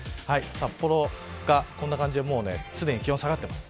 札幌がこんな感じですでに気温が下がっています。